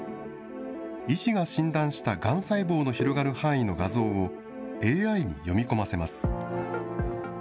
医師が診断したがん細胞の広がる範囲の画像をＡＩに読み込ませます。